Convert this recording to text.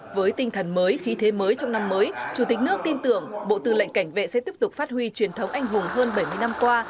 với tinh thần mới khí thế mới trong năm mới chủ tịch nước tin tưởng bộ tư lệnh cảnh vệ sẽ tiếp tục phát huy truyền thống anh hùng hơn bảy mươi năm qua